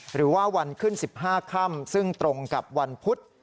หรือว่าวันขึ้น๑๕ค่ำซึ่งตรงกับวันพุธ